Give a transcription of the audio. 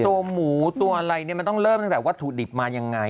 ตัวหมูตัวอะไรเนี่ยมันต้องเริ่มตั้งแต่วัตถุดิบมายังไง